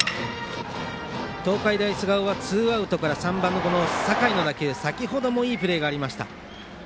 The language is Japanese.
東海大菅生はツーアウトから３番の酒井の打球は先程もいいプレーがありました